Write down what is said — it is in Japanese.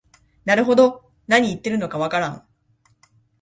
なるほど、なに言ってるのかわからん